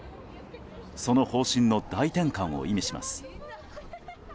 その方針の大転換を意味します。